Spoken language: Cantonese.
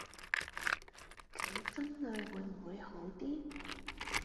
噉分類會唔會好啲